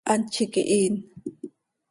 ¡Hant z iiqui hiin!